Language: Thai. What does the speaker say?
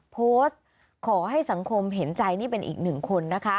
โพสต์ขอให้สังคมเห็นใจนี่เป็นอีกหนึ่งคนนะคะ